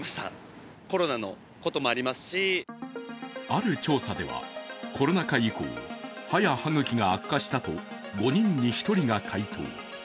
ある調査では、コロナ禍以降歯や歯ぐきが悪化したと、５人に１人が回答。